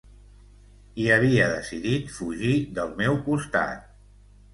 I havia decidit fugir del meu costat.